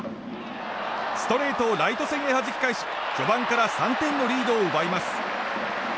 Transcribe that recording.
ストレートをライト線へはじき返し序盤から３点のリードを奪います。